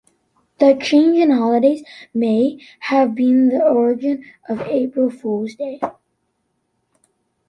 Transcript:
The change in holidays may have been the origin of April Fools' Day.